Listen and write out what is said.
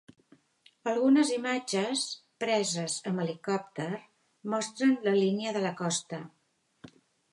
Algunes imatges, preses amb helicòpter, mostren la línia de la costa.